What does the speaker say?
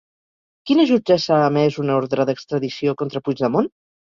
Quina jutgessa ha emès una ordre d'extradició contra Puigdemont?